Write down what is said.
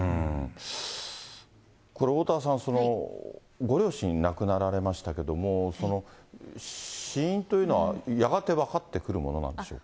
これ、おおたわさん、ご両親、亡くなられましたけれども、死因というのはやがて分かってくるものなんでしょうか。